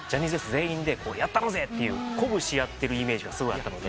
全員でやったろうぜっていう鼓舞し合ってるイメージがすごいあったので。